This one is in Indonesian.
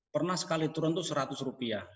pernah sekali turun itu seratus rupiah